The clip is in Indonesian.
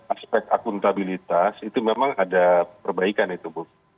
aspek akuntabilitas itu memang ada perbaikan itu bu